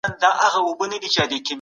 سردار اکبرخان د هیواد ساتنې ته ژمن و